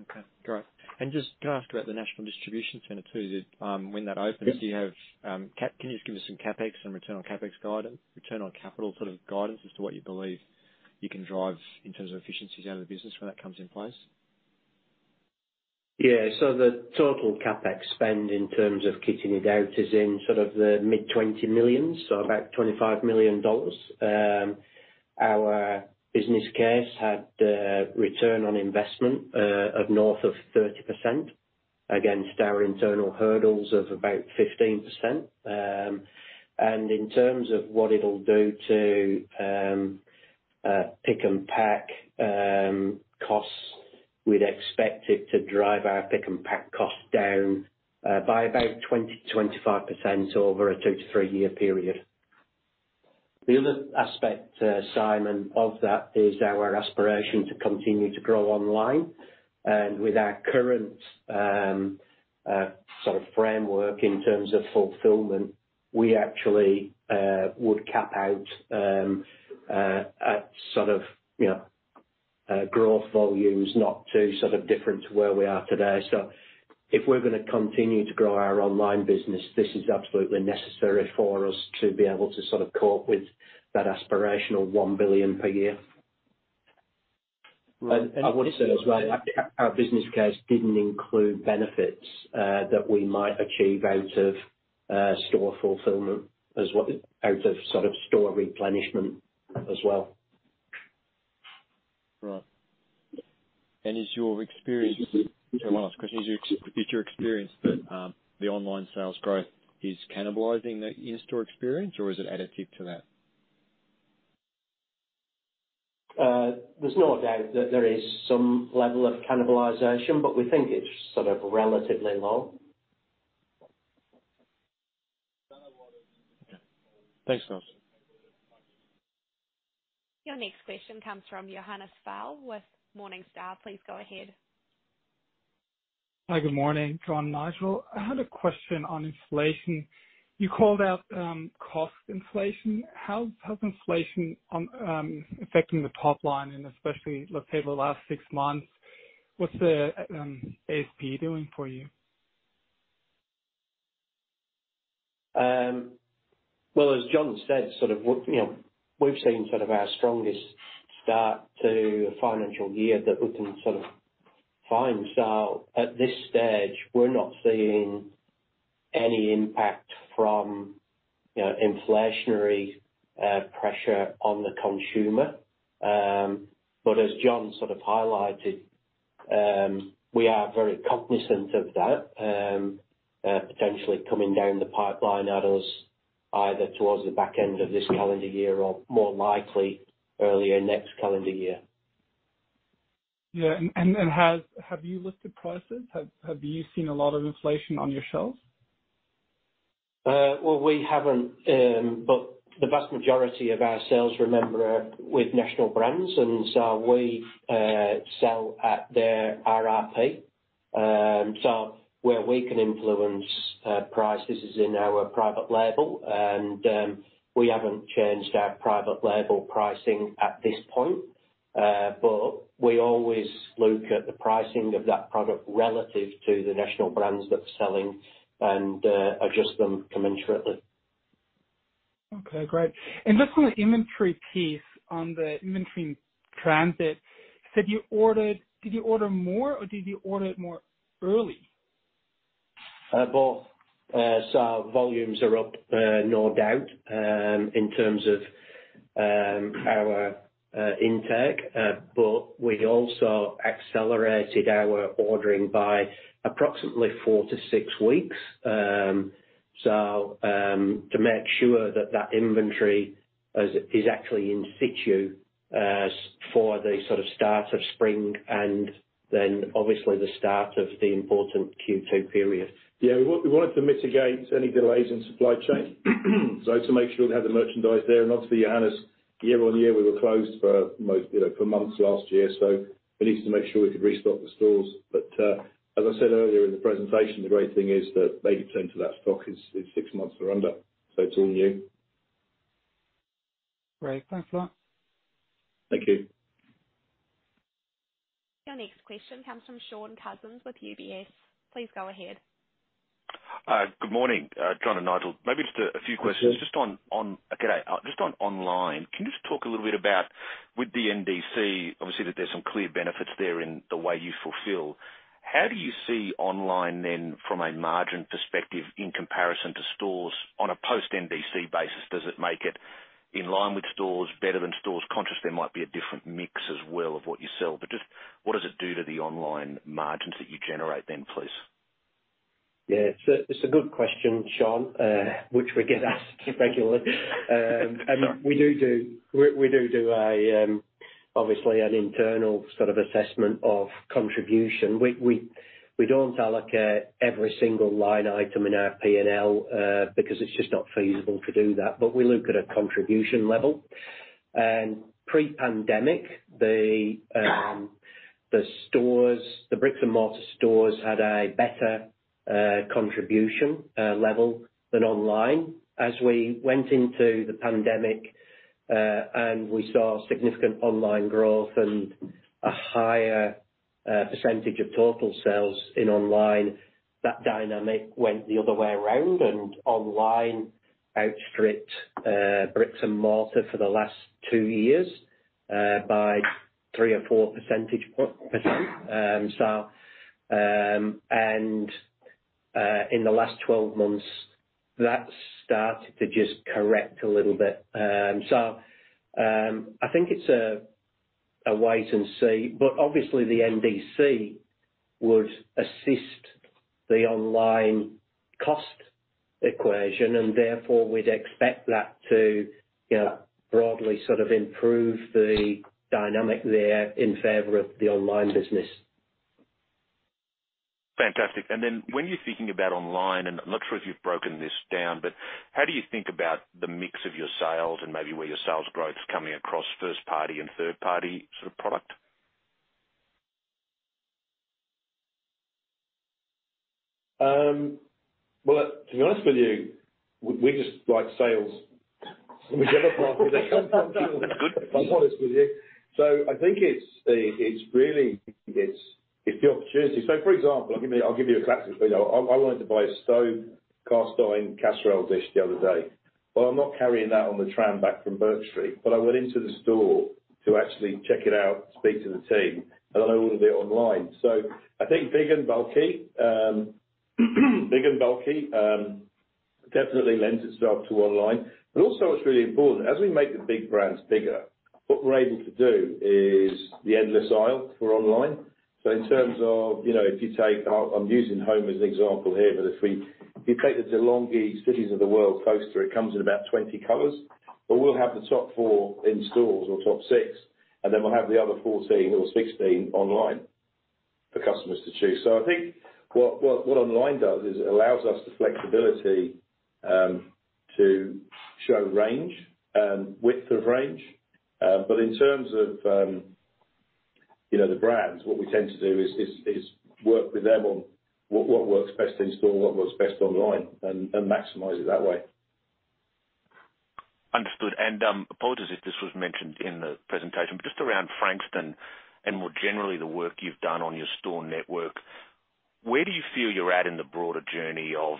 Okay. Great. Just, can I ask about the national distribution center, too? The, when that opens- Yes Do you have CapEx and return on CapEx guidance, return on capital sort of guidance as to what you believe you can drive in terms of efficiencies out of the business when that comes in place? Yeah, the total CapEx spend in terms of kitting it out is in sort of the mid-20 millions, so about 25 million dollars. Our business case had a return on investment of north of 30% against our internal hurdles of about 15%. In terms of what it'll do to pick and pack costs, we'd expect it to drive our pick and pack cost down by about 20%-25% over a two to three year period. The other aspect, Simon, of that is our aspiration to continue to grow online, and with our current sort of framework in terms of fulfillment, we actually would cap out at sort of, you know, growth volumes, not too sort of different to where we are today. If we're gonna continue to grow our online business, this is absolutely necessary for us to be able to sort of cope with that aspirational 1 billion per year. Right. Our business case didn't include benefits that we might achieve out of sort of store replenishment as well. Right. Is your experience that the online sales growth is cannibalizing the in-store experience, or is it additive to that? There's no doubt that there is some level of cannibalization, but we think it's sort of relatively low. Thanks, Nigel. Your next question comes from Johannes Faul with Morningstar. Please go ahead. Hi. Good morning, John and Nigel. I had a question on inflation. You called out cost inflation. How is inflation affecting the top line and especially, let's say, the last six months? What's the ASP doing for you? Well, as John said, sort of, we've seen sort of our strongest start to a financial year that we can sort of find. At this stage, we're not seeing any impact from, you know, inflationary pressure on the consumer. As John sort of highlighted, we are very cognizant of that, potentially coming down the pipeline at us either towards the back end of this calendar year or more likely earlier next calendar year. Yeah. Have you lifted prices? Have you seen a lot of inflation on your shelves? Well, we haven't, but the vast majority of our sales, remember, are with national brands and so we sell at their RRP. Where we can influence price, this is in our private label and we haven't changed our private label pricing at this point. We always look at the pricing of that product relative to the national brands that we're selling and adjust them commensurately. Okay, great. Just on the inventory piece, on the inventory transit, did you order more or did you order it earlier? Both. Volumes are up, no doubt, in terms of our intake, but we also accelerated our ordering by approximately four to six weeks to make sure that inventory is actually in situ for the sort of start of spring and then obviously the start of the important Q2 period. Yeah. We wanted to mitigate any delays in supply chain, so to make sure we have the merchandise there and obviously, Johannes, year on year, we were closed for most, you know, for months last year, so we needed to make sure we could restock the stores. As I said earlier in the presentation, the great thing is that the lead time to that stock is six months or under, so it's all new. Great. Thanks a lot. Thank you. Your next question comes from Shaun Cousins with UBS. Please go ahead. Good morning, John and Nigel. Maybe just a few questions. Good morning. G'day. Just on online, can you just talk a little bit about with the NDC, obviously that there's some clear benefits there in the way you fulfill. How do you see online then from a margin perspective in comparison to stores on a post-NDC basis? Does it make it in line with stores, better than stores? Conscious there might be a different mix as well of what you sell. Just what does it do to the online margins that you generate then, please? Yeah. It's a good question, Shaun, which we get asked regularly. We don't allocate every single line item in our P&L, because it's just not feasible to do that. We look at a contribution level. Pre-pandemic, the stores, the bricks-and-mortar stores had a better contribution level than online. As we went into the pandemic, and we saw significant online growth and a higher percentage of total sales in online, that dynamic went the other way around, and online outstripped bricks-and-mortar for the last two years by three or four percentage points. In the last 12 months, that's started to just correct a little bit. I think it's a wait-and-see, but obviously the NDC would assist the online cost equation, and therefore we'd expect that to you know, broadly sort of improve the dynamic there in favor of the online business. Fantastic. When you're thinking about online, and I'm not sure if you've broken this down, but how do you think about the mix of your sales and maybe where your sales growth is coming across first-party and third-party sort of product? Well, to be honest with you, we just like sales whichever party they come from, to be honest with you. I think it's really the opportunity. For example, I'll give you a classic. You know, I wanted to buy a stone cast iron casserole dish the other day. I'm not carrying that on the tram back from Bourke Street, but I went into the store to actually check it out, speak to the team, and then I ordered it online. I think big and bulky definitely lends itself to online. But also what's really important, as we make the big brands bigger, what we're able to do is the endless aisle for online. In terms of, you know, if you take I'm using home as an example here, but if you take the De'Longhi Cities of the World toaster, it comes in about 20 colors. We'll have the top four in stores or top six, and then we'll have the other 14 or 16 online for customers to choose. I think what online does is it allows us the flexibility to show range, width of range. But in terms of, you know, the brands, what we tend to do is work with them on what works best in store, what works best online, and maximize it that way. Understood. Apologies if this was mentioned in the presentation, but just around Frankston and more generally the work you've done on your store network, where do you feel you're at in the broader journey of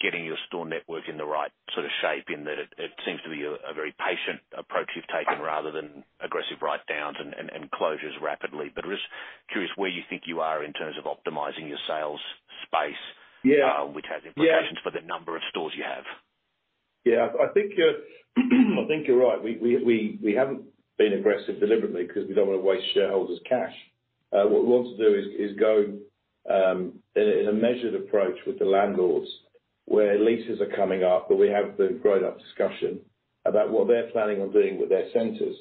getting your store network in the right sort of shape in that it seems to be a very patient approach you've taken rather than aggressive write-downs and closures rapidly. Just curious where you think you are in terms of optimizing your sales space. Yeah. which has implications for the number of stores you have. Yeah. I think you're right. We haven't been aggressive deliberately because we don't want to waste shareholders' cash. What we want to do is go in a measured approach with the landlords where leases are coming up, but we have the grown-up discussion about what they're planning on doing with their centers.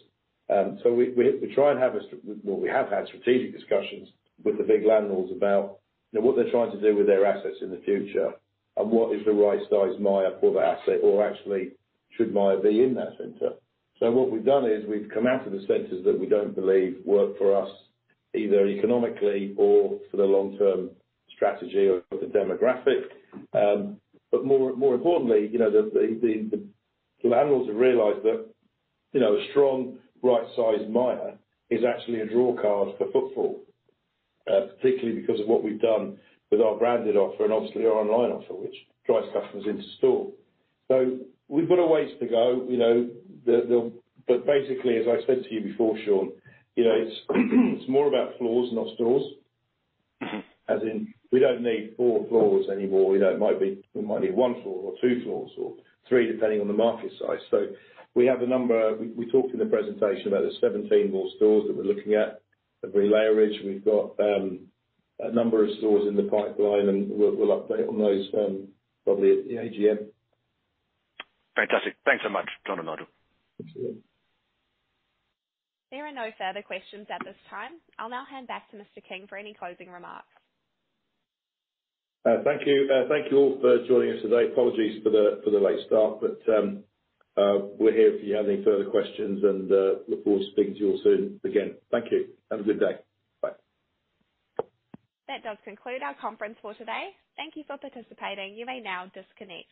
Well, we have had strategic discussions with the big landlords about, you know, what they're trying to do with their assets in the future and what is the right size Myer for the asset or actually should Myer be in that center. What we've done is we've come out of the centers that we don't believe work for us, either economically or for the long-term strategy or the demographic. More importantly, you know, the landlords have realized that, you know, a strong, right-sized Myer is actually a draw card for footfall, particularly because of what we've done with our branded offer and obviously our online offer, which drives customers into store. We've got a ways to go, you know. Basically as I said to you before, Shaun, you know, it's more about floors, not stores. As in we don't need four floors anymore. You know, it might be we might need one floor or two floors or three, depending on the market size. We talked in the presentation about the 17 more stores that we're looking at every leverage. We've got a number of stores in the pipeline, and we'll update on those, probably at the AGM. Fantastic. Thanks so much, John and Nigel. Thank you. There are no further questions at this time. I'll now hand back to Mr. King for any closing remarks. Thank you. Thank you all for joining us today. Apologies for the late start, but we're here if you have any further questions and look forward to speaking to you all soon again. Thank you. Have a good day. Bye. That does conclude our conference for today. Thank you for participating. You may now disconnect.